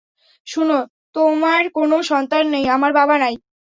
শুনো, তোমার কোনো সন্তান নাই, আমার বাবা নাই।